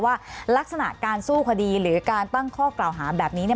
ว่าลักษณะการสู้คดีหรือการตั้งข้อกล่าวหาแบบนี้เนี่ย